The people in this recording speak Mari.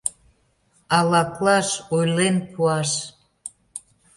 Алаклаш — ойлен пуаш.